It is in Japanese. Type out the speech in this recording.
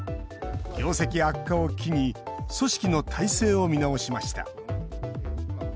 業績悪化を機に組織の体制を見直しました。